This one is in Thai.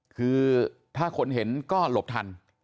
คือถ้าคนเห็นก็หลบทัน